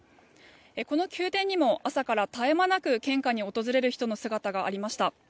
この宮殿にも朝から絶え間なく献花に訪れる人の姿がありました。